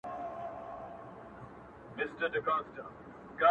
o کنې پاته یې له ډلي د سیلانو,